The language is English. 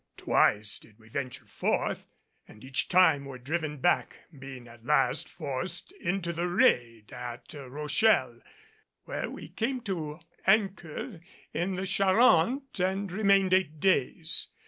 Twice did we venture forth, and each time were driven back, being at last forced into the Rade at Rochelle, where we came to anchor in the Charente and remained eight days.